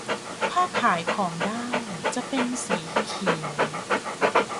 ถ้าขายของได้จะเป็นสีเขียว